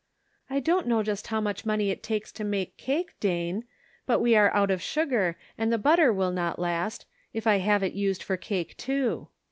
"I don't know just how much money it takes to make cake, Dane. But we are out of sugar, and the butter will not last, if I have it . used for cake, too.